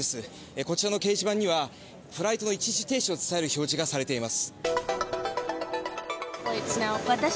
こちらの掲示板にはフライトの一時停止を伝える表示がされています。